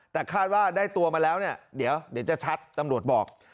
แต่คาดว่าได้ตัวมาแล้วเนี่ยเดี๋ยวจะชัดตำรวจบอก